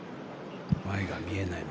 前が見えない。